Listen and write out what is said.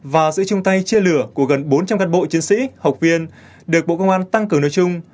và sự chung tay chia lửa của gần bốn trăm linh cán bộ chiến sĩ học viên được bộ công an tăng cường nơi chung